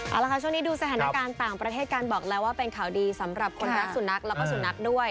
เอาละค่ะช่วงนี้ดูสถานการณ์ต่างประเทศการบอกแล้วว่าเป็นข่าวดีสำหรับคนรักสุนัขแล้วก็สุนัขด้วย